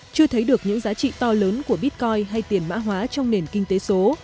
chưa thấy được những giá trị to lớn của bitcoin hay tiền mã hóa trong nền kinh tế số